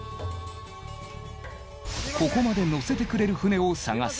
ここまで乗せてくれる船を探す。